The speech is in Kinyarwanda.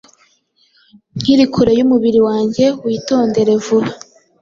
Nkiri kure yumubiri wanjye Witondere vuba